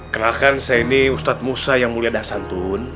kenalkan saya ini ustadz musa yang mulia dasantun